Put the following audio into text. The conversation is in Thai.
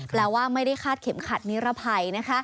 แปลว่าไม่ได้คาดเข็มขัดนิรภัย